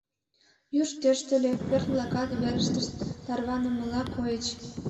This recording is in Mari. Юж тӧрштыльӧ, пӧрт-влакат верыштышт тарванылмыла койыч.